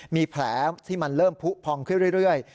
มีแผลที่มันเริ่มผู้พองขึ้นเรื่อย